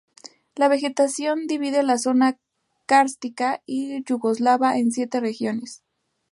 La vegetación divide la zona kárstica yugoslava en siete regiones.